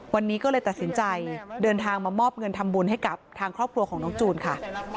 วันนี้ก็เลยตัดสินใจเดินทางมามอบเงินทำบุญให้กับทางครอบครัวของน้องจูนค่ะ